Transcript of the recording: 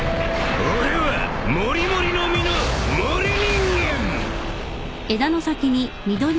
俺はモリモリの実の森人間。